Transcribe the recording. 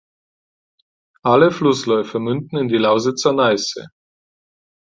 Alle Flussläufe münden in die Lausitzer Neiße.